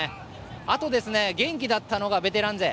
あと、元気だったのがベテラン勢。